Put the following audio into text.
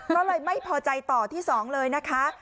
เพราะเลยไม่พอใจต่อที่สองเลยนะคะ